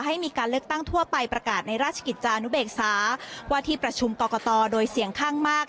ให้มีการเลือกตั้งทั่วไปประกาศในราชกิจจานุเบกษาว่าที่ประชุมกรกตโดยเสี่ยงข้างมาก